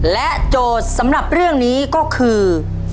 โจทย์สำหรับเรื่องนี้ก็คือ